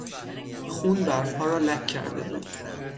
خون برفها را لک کرده بود.